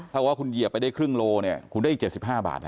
ถ้าว่าคุณเหยียบไปได้ครึ่งโลเนี่ยคุณได้๗๕บาท